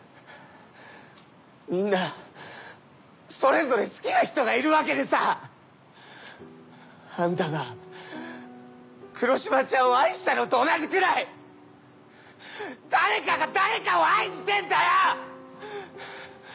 みんなそれぞれ好きな人がいるわけでさ！あんたが黒島ちゃんを愛したのと同じくらい誰かが誰かを愛してんだよ！